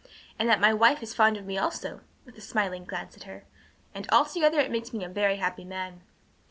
"And that my wife is fond of me also," with a smiling glance at her, "and altogether it makes me a very happy man."